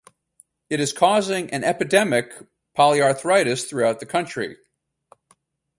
It is causing an epidemic polyarthritis throughout the country.